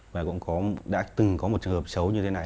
và cũng đã từng có một trường hợp đi ở đây